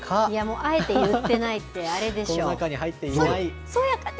あえて言ってないって、あれでしょ。。